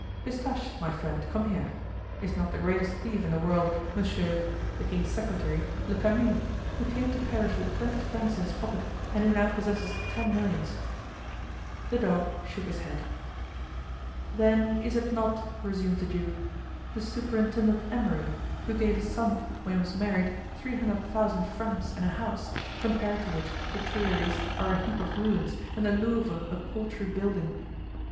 Pistache, my friend, come here. Is not the greatest thief in the world, Monsieur (the king's secretary) Le Camus, who came to Paris with twenty francs in his pocket and who now possesses ten millions?" The dog shook his head. "Then is it not," resumed the duke, "the Superintendent Emery, who gave his son, when he was married, three hundred thousand francs and a house, compared to which the Tuileries are a heap of ruins and the Louvre a paltry building?"